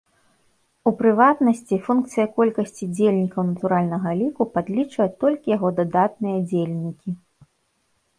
У прыватнасці, функцыя колькасці дзельнікаў натуральнага ліку падлічвае толькі яго дадатныя дзельнікі.